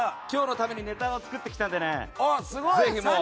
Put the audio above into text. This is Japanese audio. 今日のためにネタを作ってきたのでね。